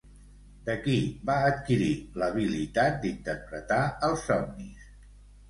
De qui va adquirir l'habilitat d'interpretar els somnis?